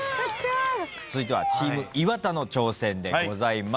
続いてはチーム岩田の挑戦でございます。